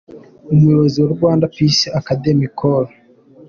Umuyobozi wa Rwanda Peace Academy, Col.